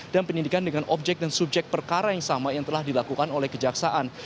dan penyelidikan dengan objek dan subjek perkara yang sama yang telah dilakukan oleh kejaksaan